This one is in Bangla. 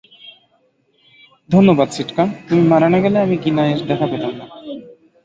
ধন্যবাদ সিটকা, তুমি মারা না গেলে, আমি কিনাইয়ের দেখা পেতাম না।